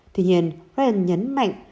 tuy nhiên ryan nhấn mạnh